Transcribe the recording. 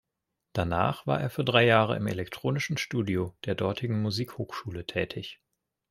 Danach war er für drei Jahre im Elektronischen Studio der dortigen Musikhochschule tätig.